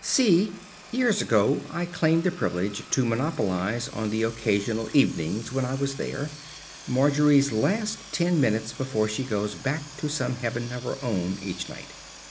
(c) Years ago I claimed the privilege to monopolise on the occasional evenings when I was there, Margery's last ten minutes before she goes back to some heaven of her own each night.